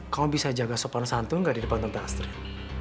kamu bisa jaga sopan santun gak di depan tentang astrid